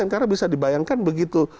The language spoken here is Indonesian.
karena bisa dibayangkan begitu